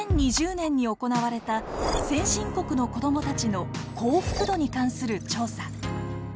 ２０２０年に行われた先進国の子どもたちの幸福度に関する調査。